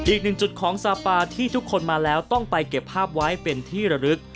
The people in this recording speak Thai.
อีกหนึ่งจุดของซาปาที่ทุกคนมาแล้วต้องไปเก็บภาพไว้เป็นที่ระลึก